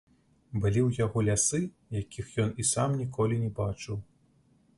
Былі ў яго лясы, якіх ён і сам ніколі не бачыў.